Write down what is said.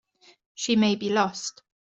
She may be lost.